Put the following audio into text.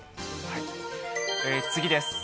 次です。